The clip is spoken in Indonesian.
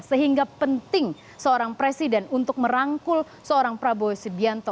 sehingga penting seorang presiden untuk merangkul seorang prabowo subianto